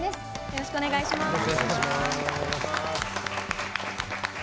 よろしくお願いします。